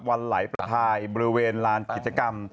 วันไหลประทายบริเวณลานกิจกรรม